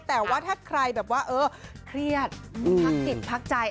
แต่ว่าถ้าใครแบบว่าเออเครียดพักจิตพักใจ